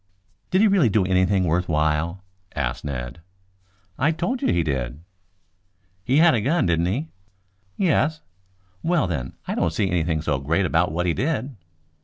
"Did he really do anything worth while?" asked Ned. "I have told you he did." "He had a gun, didn't he?" "Yes." "Well, then, I don't see anything so great about what he did."